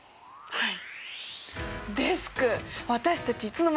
はい。